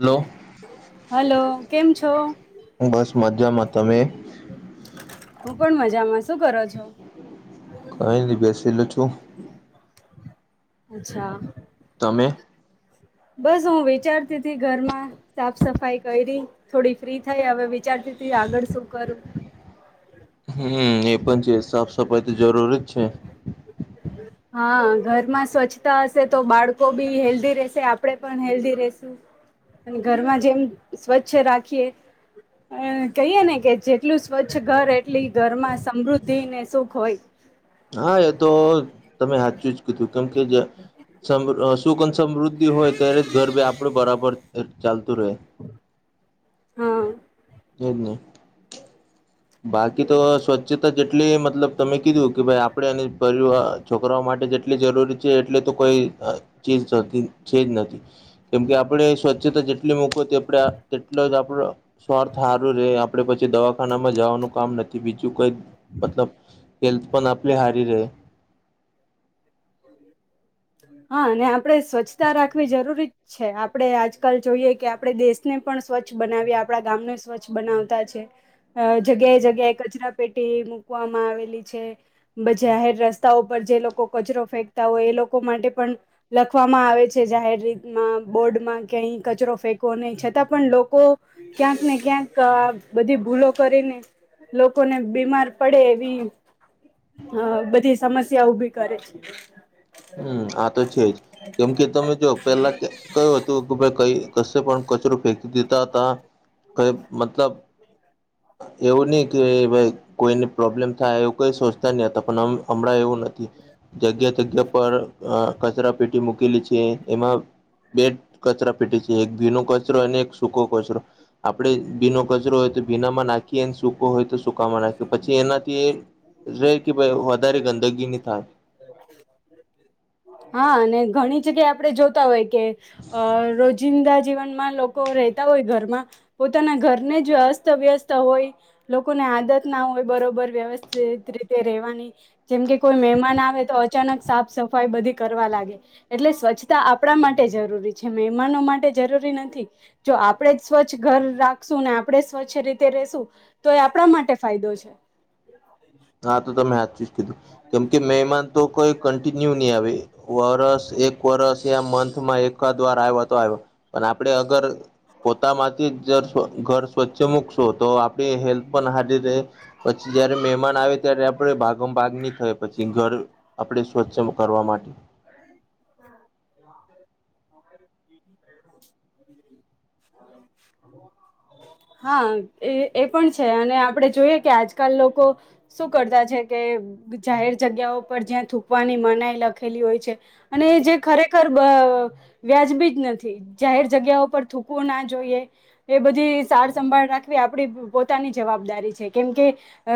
Hello, hello કેમ છો બસ મજામાં તમે? હું પણ મજામાં, શું કરો છો? કઈ નહી બેસેલું છું. અચ્છા. તમે? બસ હું વિચારતી ઘરમાં સાફ સફાઈ કરી થોડી ફ્રી થઈ હવે વિચારતી આગળ શું કરું. હમ્મ એ પણ છે. સાફ સફાઈ તો જરૂરી જ છે. હા ઘરમાં સ્વચ્છતા હશે તો બાળકો બી હેલ્ધી રહેશે આપણેે પણ હેલ્ધી રહેશું. અને ઘરમાં જેમ સ્વચ્છ રાખીએ અહ કહીએ ને કે જેટલું સ્વચ્છ ઘર એટલી ઘરમાં સમૃદ્ધિ ને સુખ હોય. હા, એ તો તમે હાચું જ કીધું. કેમ કે જે સમરહ સુખ અન સમૃદ્ધિ હોય ત્યારે જ ગરબે આપડે બરાબર તે ચાલ હા. એજને. બાકી તો સ્વચ્છતા જેટલી મતલબ તમે કીધું કે ભાઈ આપણેે પરિવાર અહ છોકરાઓ માટે જેટલી જરૂરી છે એટલે તો અહ કોઈ ચીજ છે જ નથી. કેમકે આપણે સ્વચ્છતા જેટલી મૂકો તેપડા તેટલાજ આપડા સ્વાર્થ હારું રહે આપડે પછી દવાખાના માં જવાનું કામ નથી બીજું કઈ મતલબ હેલ્થ પણ આપ હારી રહે. હા ને આપડે સ્વચ્છતા રાખવી જરૂરી જ છે. આપડે આજ કલ જોઈએ કે આપડે દેશને પણ સ્વચ્છ બનાવીએ આપડા ગામને સ્વચ્છ બનાવતા છે. અહ જગ્યાએ જગ્યાએ કચરા પેટી મુકવામાં આવેલી છે જાહેર રસ્તા પર જે લોકો કચરો ફેકતા હોય એ લોકો માટે પણ લખવામાં આવે છે જાહેર રીતમાં બોર્ડમાં ક્યાંય કચરો ફેંકવો નહી છતાં પણ લોકો ક્યાંક ને ક્યાંક આહ બધી ભૂલો કરીને લોકોને બીમાર પડે એવી અહ બધી સમસ્યા ઊભી કરે છે. હ હમ્મ, આ તો છે જ. કેમ કે તમે જો પેલા કયું હતું કે ભાઈ કઈ કશે પણ કચરો ફેંકી દેતા હતા ક મતલબ એવું ની તે બઈ કોઈને પ્રોબ્લેમ થાય એવ કઈ સોચતા નહીં હોતા પણ હમ હમણાં એવું જતી જગ્યા જગ્યા પર આહ કચરા પેટી મૂકેલી છે, એમાં બેડ કચરા પેટી એક ભીનો કચરો અને એક સૂકો કચરો આપડે ભીનો કચરો હોય તો ભીનામાં નાખીએ, સૂકો હોય તો સૂકામાં નાખીએ. પછી એનાથી રહે કે વધારે ગંદગી ન થાય. હા અને ઘણી જગ્યા આપડે જોતા હોય કે અ રોજિંદા જીવનમાં લોકો રહેતા હોય ઘરમાં પોતાના ઘરને જ અસ્ત વ્યસ્ત હોય લોકોને આદત ના હોય બરોબર વ્યવસ્થિત રીતે રેવાની. જેમ કે કોઈ મહેમાન આવે તો અચાનક સાફ સફાઈ બધી કરવા લાગે. એટલે સ્વચ્છતા આપણા માટે જરૂરી છે મહેમાનો માટે જરૂરી નથી. જો આપણે જ સ્વચ્છ ઘર રાખશું ને આપણે સ્વચ્છ રીતે રેશું તો એ આપણા માટે ફાયદો છે. હા તો તમે હાજું જ કીધું કેમ કે મેહેમાન તો કોઈ કન્ટિન્યુ નહી આવે વરસ, એક વરષ એ મંથમાં એકાદ વાર આવ્યો તો આવે પણ આપડે અગર પોતામાંથી ઘર ઘર સ્વચ્છ મૂકશો તો આપડી હેલ્થ પણ હારી રે પછી જયારે મેમાન આવે ત્યારે આપડ ભાગ ભાગ નહી થાય પછી ઘર આપડે સ્વચ્છ કરવા માટે. હા એ એ પણ છે અને આપડે જોઈએ કે આજ કાલ લોકો શું કરતા છે કે જાહેર જગ્યાઓ પર જ્યાં થૂકવાની મનાઈ લખ લખેલી હોય છે અને જે ખરેખર અ વ્યાજબી જ નથી જાહેર જગ્યાઓ પર થૂકવું ના જોઈએ. એ બધી સાર સંંભાળ રાખવી આપડી પોતાની જવાબદારી છે. કેમકે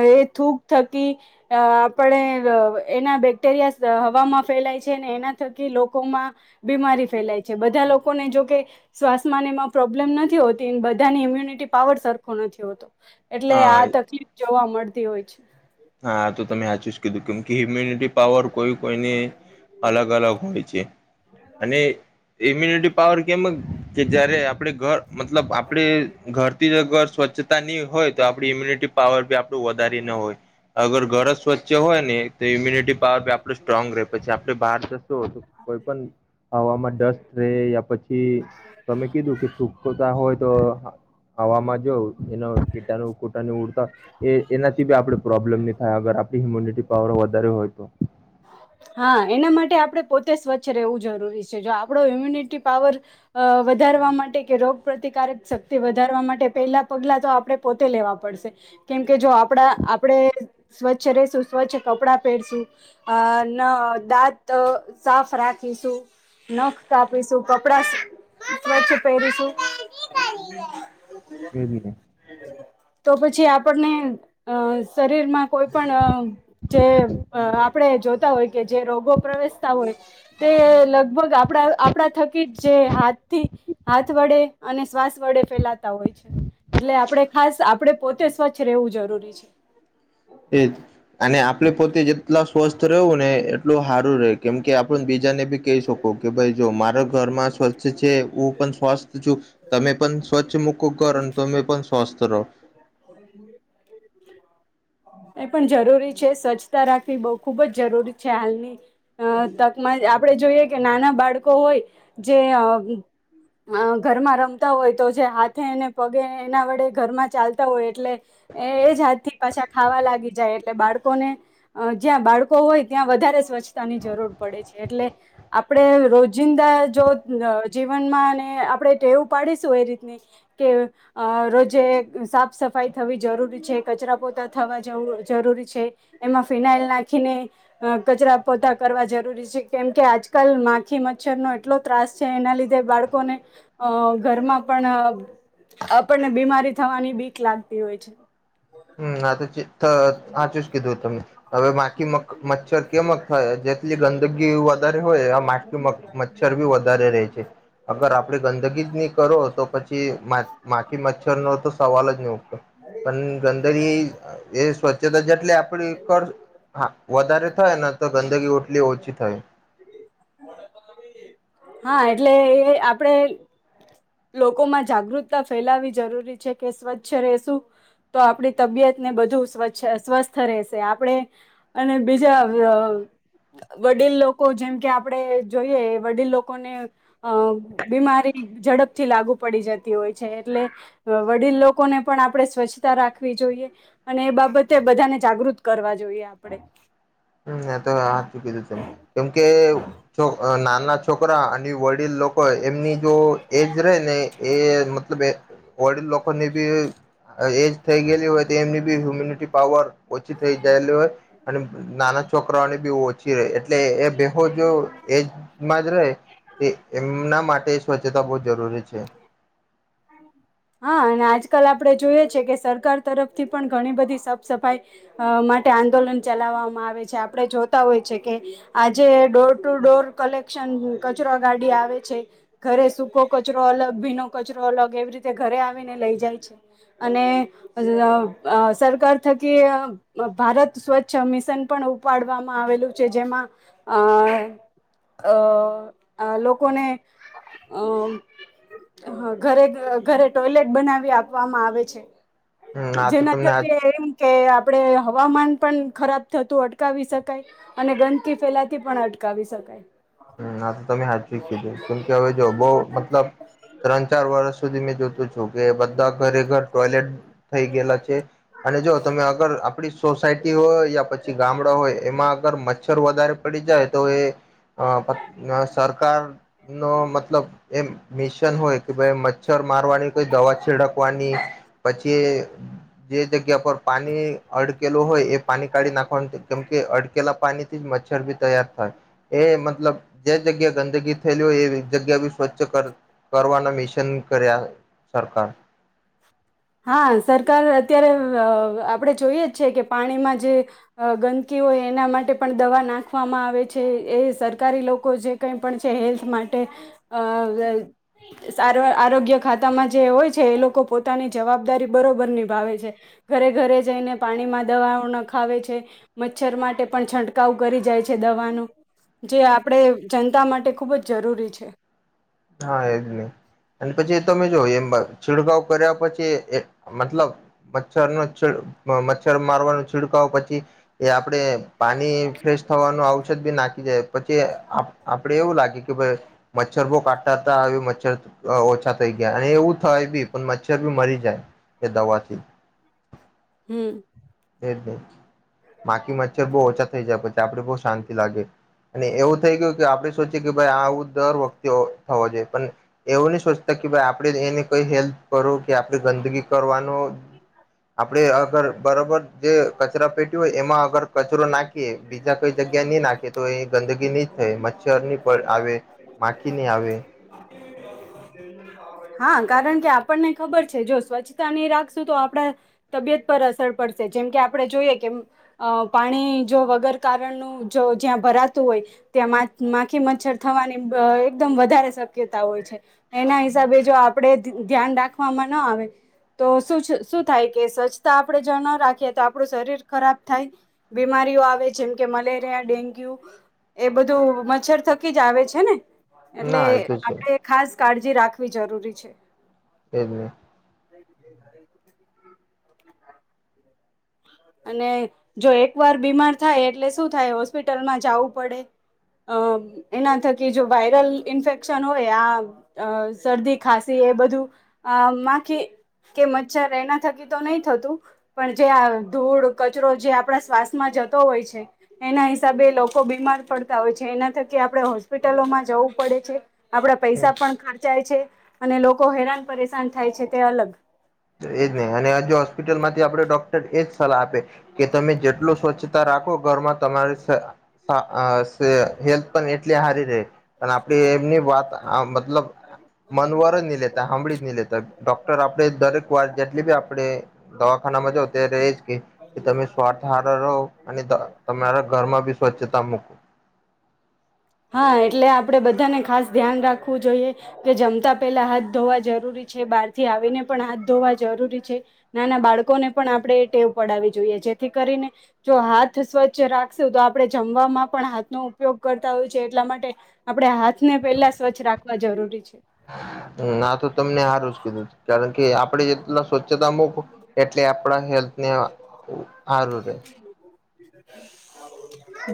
એ થૂક થકી અ આપણે એના બેક્ટેરિયા હવામાં ફેલાય છે ને એના થકી લોકોમાં બીમારી ફેલાય છે. બધા લોકોને જોકે શ્વાસમાંને એમાં પ્રોબ્લેમ નથી હોતી બધાની ઈમ્યુનિટી પાવર સરખો નથી હોતો. એટલે હા આ તકલીફ જોવા મળ તી હોય છે. હા તો તમે આ ચૂઝ કીધું કેમ કે હ્યુમ્યુનિટી પાવર કોઈ કોઈને અલગ અલગ હોય છે અને ઈમ્યુનિટી પાવર કેમ કે જયારે આપણે ઘર મતલબ આપડે ઘરથી જ અગર સ્વચ્છતા નની હોય તો આપડી ઈમ્યુનિટી પાવર બી આપણું વધારે ના હોય. અગર ઘર જ સ્વચ્છ હોય ને તો ઇમ્યુનિટી પાવર બી આપું સ્ટ્રોંગ રહે પછી આપડે બહાર જશું તો કોઈ પણ હવામાં ડસ્ટ રહે યા પછી તમે કીધું કે તૂકો તા હોય તો હવામાં જો એનો કીટાણ કીટાણુ ઉડતા એ એનાથી બી આપડે પ્રોબ્લેમ નહીં થાય અગર આપણી હિમ્યુનિટી પાવર વધારે હોય તો. હા એના માટે આપણે પોતે સ્વચ્છ રહેવું જરૂરી છે. જો આપણો ઈમ્યુનિટી અ પાવર વધારવા માટે કે રોગ પ્ર્રતિકારક શક્તિ વધારવા માટે પહેલા પગલા તો આપણે પોતે લેવા પડશે કેમકે જો આપણા આપણે સ્વચ્છ રેશું, સ્વચ્છ કપડાં પહેરશું આ ના દાંત અ સાફ રાખીશું, નખ કાપીશું, કપડા સ્વચ્છ પહેરીશું. એ જ ને. તો પછી આપણને અ શરીરમાં કોઈ પણ જે અ આપણે જોતા હોય કે જે રોગો પ્રવેશતા હોય તે લગભગ આપણા આપણા થકી જ જે હાથથી હાથ વડે અને શ્વાસ વડે ફેલાતા હોય છે. એટલે આપણે ખાસ આપણે પોતે સ્વચ્છ રહેવું જરૂરી છે. એજ અને આ આપડે પોતે જેટલા સ્વસ્થ રહું ને એટલું હાર રે કેમકે આપ બીજાને બી કહી શકો કે ભાઈ જો મારા ઘરમાં સ્વચ્છ છે, હું પણ સ્વસ્થ છું, તમે પણ સ્વચ્છ મૂકો ઘ અને તમે પણ સ્વસ્થ રહો. એ પણ જરૂરી છે. સ્વચ્છતા રાખવી બવ ખુબ જ જરૂરી છે હાલની અ તકમાં આપડણે જોઈએ કે નાના બાળકો હોય જે અ ઘરમાં રમતા હોય તો જે હાથેને પગે એના વડે ઘરમાં ચાલતા હોય એટલે એ જ હાથથી પાછા ખાવા લાગી જાય. એટલે બાળકોને અ જ્યાં બાળકો હોય ત્યાં વધારે સ્વચ્છતાની જરૂર પડે છે. એટલે આપણે રોજિંદા જો જીવનમાં અને આપણે એવું પાડીશું એ રીતની કે રોજે સાફ સફાઈ થવી જરૂરી છે, કચરા પોતા થવા જવ જરૂરી છે, એમાં ફિનાઇલ નાખીને કચરા પોતા કરવા જરૂરી છે કેમ કે આજકાલ માખી મચ્છરનો એટલો ત્રાસ છે. એના લીધે બાળકોને અ ઘરમાં પણ આપણને બીમારી થવાની બીક લાગતી હોય છે. હમ સાચું જ કીધું તમે હવે માખી મચ્છર કેમક થાય જેટલી ગંદગી વધારે હોય માખી મચ્છર બી વધારે રહે છે અગર આપણે ગંદગી જ નહી કરો તો પછી માખી મચ્છર નો તો સવાલ જ નહીં ઉતો પણ એ સ્વચ્છતા જેટલી આપડી કર હા વધારે થાય ને તો ગંદગી ઓટલી ઓછી થાય. હા એટલે એ આપણેે લોકોમાં જાગૃતતા ફેલાવી જરૂરી છે કે સ્વચ્છ રેશું તો આપણી તબિયત ને બધું સ્વછ સ્વસ્થ રહેશે આપણે અને બીજા વડીલ લોકો જેમ કે આપણે જોઈએ વડીલ લોકોને અ બીમારી ઝડપથી લાગુ પડી જતી હોય છે એટલે વડીલ લોકોને પણ આપણે સ્વચ્છતા રાખવી જોઈએ. અને એ બાબતે બધાને જાગૃત કરવા જોઈએ આપડે. હમ તો હા ચુ કીધું તમે કેમકે જો ના નાના છોકરા અને વડીલ લોકો એમની જો એજ રે ને એ મતલબ વડીલ લોકો ની બી એજ થઈ ગયેલી હોય તો એમની બી હ્યુમિન પાવર ઓછી થઈ જયેલી હોય અને નાના છોકરાઓની બીહ ઓછી રહે એટલે એ બેહો જો એજમાં જ રહે એમના માટે સ્વચ્છતા બહું જરૂરી છે. હા અને આજકાલ આપણે જોઈએ છે કે સરકાર તરફથી પણ ઘણી બધી સાફ સફાઈ માટે આંદોલન ચલાવવામાં આવે છે આપડે જોતા હોય છે કે આજે ડોર ટુ ડોર કલેક્શન કચરો ગાડી આવે છે ઘરે સૂકો કચરો અલગ ભીનો કચરો અલગ એવી ર તે ઘરે આવીને લઈ જાય છે અને અ સરકાર થકી ભારત સ્વચ્છ મિશન પણ ઉપાડવામાં આવેલું છે જેમાં અ અ લોકોને અ ઘરે ઘરે ટોયલેટ બનાવી આપવામાં આવે છે. હમ આ તો જેના તમને આજ થકી એમ કે આપડે હવામાન પણ ખરાબ થતું અટકાવી શકાય અને ગંદકી ફેલાતી પણ અટકાવી શકાય. હ આ તો તમે હાચુ કીધું કેમ કે હવે જો બહ મતલબ ત્રણ ચાર વર્ષ સુધી જોતો છું કે બધા ઘરે ઘર ટોયલેટ થઈ ગયેલા છે અને જો તમે અગર આપડી સોસાયટી હોય યા પછી ગામડા હોય એમાં અગર મચ્છર વધારે પડી જાય તો એ અ સરકાર નો મતલબ એ મિશ મિશન હોય કે ભાઈ મચ્છર મારવાની કોઈ દવા છીડકવાની પછી જે જગ્યા પર પાણી અડકેલું હોય એ પાણી કાઢી નાખવાનું કેમકે અડકેલા પાણી થી જ મચ્છર ભી તૈયાર થાય એ જે જગ્યા ગંદગી થયેલી હોય એ જગ્યા બી સ્વચ્છ કરવાના મિશન કર્યા. સરકાર. હા સરકાર અત્યારે આપણે જોઈએ જ છે કે પાણીમાં જે ગંદકી હોય એના માટે પણ દવા નાખવામાં આવે છે એ સરકારી લોકો જે કઈ પણ છે હેલ્થ માટે અ સ આરોગ્ય ખાતામાં જે હોય છે એ લોકો પોતાની જવાબદારી બરોબર નિભાવે છે ઘરે ઘરે જઈને પાણીમાં દવાઓ ના ખાવે છે મચ્છર માટે પણ છંટકાવ કરી જાય છે દવાનું જે આપણે જનતા માટે ખૂબ જ જરૂરી છે. હા એજ નહી અને પછી એ તોમે જો એ છીડકાવ કર્યા પછી મતલબ મચ્છર ન મચ્છર મારવાનો છિડકાવ પછી એ આપડે પાણી ફ્રેશ થવાનું આવઔષધ બી નાખી [unintelligible] પછી આપડે એવું લાગે કે ભઇ મચ્છર બો તા આવ્યું મચ્છર. ઓછા થઈ ગયા અને એવું થાય બી પણ મચ્છર બી મરી જાય એ દવાથી. હમ [unintelligible] માકી મચ્છર બો ઓછા થઈ જાતા છે પછી આપડી બોસ શાંતિ લાગે. અને એવું થઈ ગયુ. કે આપડે સોચીએ કે ભાઈ આ આવું દર વખતે હો. થવો જોઈએ. પણ એવું નહી સોચતા કે ભાઈ આપડે એને કઈ હેલ્પ કરું. કે આપડે ગંદગી કરવાનો આપડે અગર બરોબર. જે કચરા પેટી હોય એમાં અગર કચરો નાખીએ બીજા કઈ જગ્યા નહી નાખીએ તો એની ગંદગી નહી થાય. મચ્છર ની આવે. માખી ની આવે. હા કારણ કે આપણને ખબર છે જો સ્વચ્છતા ની રાખશું તો આપડા તબિયત પર અસર પડશે. જેમ કે આપડે જોઈએ કે અ પાણી જો વગર કારણનું જો જ્યાં ભરાતું હોય ત્યાં માખી મચ્છર થવાની એકદમ વધારે શક્યતા હોય છે. એના હિસાબે જો આપડે ધ્યાન રાખવા મા ના આવે. તો શ શું થાય કે સ્વચ્છતા આપડે જો ના રાખીએ તો આપડુ શરીર ખરાબ થાય. બીમારીઓ આવે જેમ કે મલેરિયા, ડેન્ગ્યુ એ બધું મચ્છર થકી જ આવે છે ને. એટલે ના એ તો છે આપડે ખાસ કાળજી રાખ. વી જરૂરી છે. તેજ ને અને જો એક વાર બીમાર થાય એટલે શું થાય હોસ્પિટલમાં જાવું પડે. અ એના થકી જો વાયરલ ઇન્ફેક્શન હોય આ શરદી આ અ ખાસી એ બધું આ માખી કે મચ્છર એના થકી તો નહી થતું. પણ જ્યાં ધૂળ, કચરો જે આપણા શ્વાસમાં જતો હોય છે. એના હિસાબે લોકો બીમાર પડતા હોય છે. એના થકી આપડે હોસ્પિટલોમાં જવું પડે છે. આપડા પૈસા પણ ખર્ચાય છે. અને લોકો હેરાન પરેશાન થાય છે તે અલગ. એજ ને, અને આજ હોસ્પિટલમાં જે આપડે ડોક્ટર એ જ સલાહ આપે. કે તમે જેટલું સ્વચ્છતા રાખો ઘરમાં તમારે સ હા આસ હેલ્થ પણ એટલી હારી રહે. પણ આપડે એમની વાત મતલબ મનવર જ નહી લેતા. હાંભળી જ નહી લેતા. ડોક્ટર આપડે દરેક જેટલી બી આપડે દવાખાનામાં જાવ તત્યારે એજ કેય તમે સ્વાથ હારો રહો, અને તમારા ઘરમાં બી સ્વચ્છતા મૂકો. હા એટલે આપડે બધાને ખાસ ધ્યાન રાખવું જોઈએ. કે જમતા પહેલા હાથ ધોવા જરૂરી છે. બારથી આવીને પણ હાથ ધોવા જરૂરી છે. નાના બાળકોને પણ આપડે ટેવ પડાવવી જોઈએ. જેથી કરીને જો હાથ સ્વચ્છ રાખશું તો આપડે જમવામાં પણ હાથનો ઉપયોગ કર તા હોય છે એટલા માટે આપડા હાથ થી પેલા સ્વચ્છ રાખવા જરૂરી છે. ના તો તમને હારું જ કીધું કારણ કે આપડે એટલા સ્વચ્છતા મૂકો એટલે આપડા હેલ્થને હારું રેય.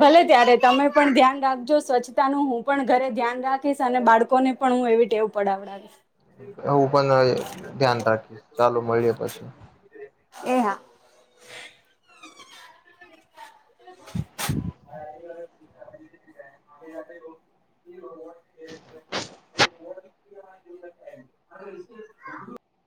ભલે ત્યારે તમે પણ ધ્યાન રાખજો સ્વચ્છતા નું હું પણ ઘરે ધ્યાન રાખીશ. અને બાળકો ને પણ હું એવી ટેવ પડાવડાવીશ. હું પણ ધ્યાન રાખ ચાલો મળીએ પછી. એ હા [inaudible]